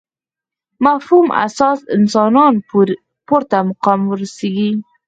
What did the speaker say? مفهوم اساس انسانان پورته مقام ورسېږي.